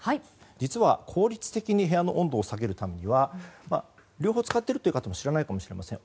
実は効率的に部屋の温度を下げるためには両方使っているという方も知らないかもしれません。